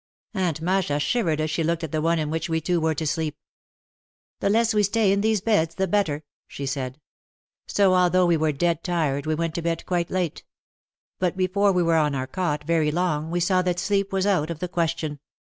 Aunt Masha shivered as she looked at the one in which we two were to sleep. "The less we stay in these beds the better," she said. So, although we were dead tired we went to bed quite late. But before we were on our cot very long we saw that sleep was out of the question.